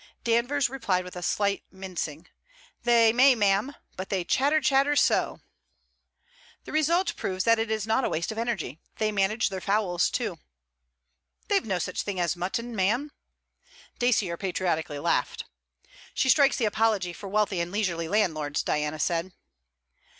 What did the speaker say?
Danvers replied with a slight mincing: 'They may, ma'am; but they chatter chatter so.' 'The result proves that it is not a waste of energy. They manage their fowls too.' 'They've no such thing as mutton, ma'am.' Dacier patriotically laughed. 'She strikes the apology for wealthy and leisurely landlords,' Diana said.